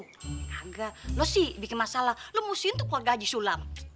kagak lo sih bikin masalah lo musuhin tuh keluarga haji jusulam